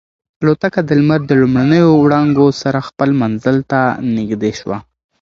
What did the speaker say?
الوتکه د لمر د لومړنیو وړانګو سره خپل منزل ته نږدې شوه.